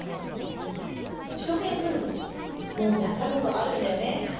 しゅと犬くん、もうやったことあるんだよね。